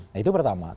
nah itu pertama